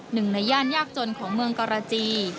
หนึ่งในย่านยากจนของเมืองกรจี